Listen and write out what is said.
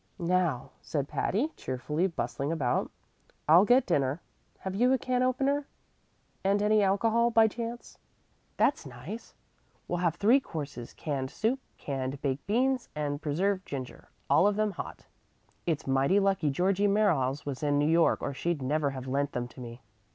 "Now," said Patty, cheerfully bustling about, "I'll get dinner. Have you a can opener? And any alcohol, by chance? That's nice. We'll have three courses, canned soup, canned baked beans, and preserved ginger, all of them hot. It's mighty lucky Georgie Merriles was in New York or she'd never have lent them to me."